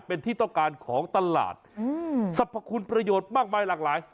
เป็นที่ต้องการของตลาดสรรพคุณประโยชน์มากมายหลากหลาย